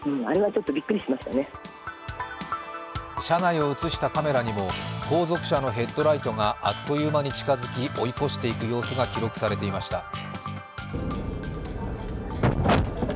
車内を映したカメラにも後続車のヘッドライトがあっという間に近づき、追い越していく様子が記録されていました。